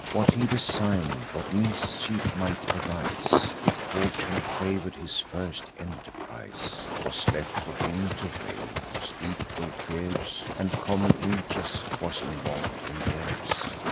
What he design'd, what mischief might arise, If fortune favour'd his first enterprise, Was left for him to weigh, whose equal fears, And common interest, was involv'd in theirs."